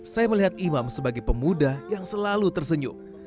saya melihat imam sebagai pemuda yang selalu tersenyum